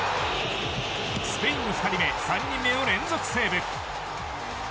スペインの２人目、３人目を連続セーブ。